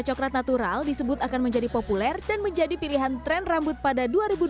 coklat natural disebut akan menjadi populer dan menjadi pilihan tren rambut pada dua ribu dua puluh